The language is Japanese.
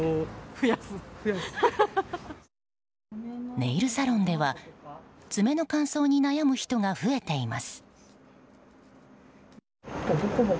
ネイルサロンでは爪の乾燥に悩む人が増えています。